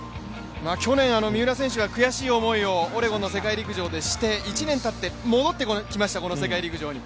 去年、三浦選手が悔しい思いをオレゴンの世界陸上でして１年たって戻ってきました、この世界陸上に。